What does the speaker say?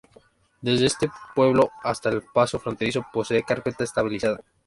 Desde este pueblo hasta el paso fronterizo posee carpeta estabilizada.